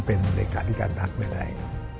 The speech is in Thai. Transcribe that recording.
เป็นเหลกขาดิการพรรคเมื่อไหร่